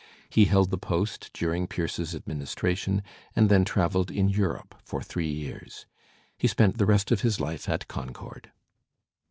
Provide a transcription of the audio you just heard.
He held the post during Pierce's administration and then travelled in Europe for three years. He spent the rest of his life at Concord.